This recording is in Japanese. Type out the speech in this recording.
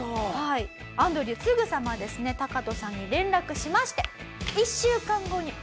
アンドリューすぐさまですねタカトさんに連絡しまして。